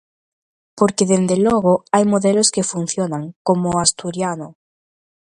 Porque, dende logo, hai modelos que funcionan, como o asturiano.